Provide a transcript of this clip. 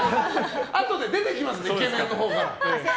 あとで出てきますんでイケメンのほうから。